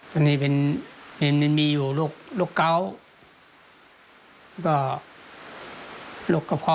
ตอนนี้มันมีอยู่รกเกาะ